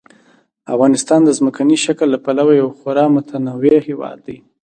افغانستان د ځمکني شکل له پلوه یو خورا متنوع هېواد دی.